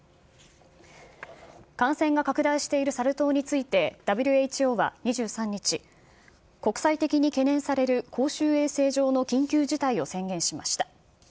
感染が拡大しているサル痘について、ＷＨＯは２３日、国際的に懸念される公衆衛生上の緊急事態を宣言しました。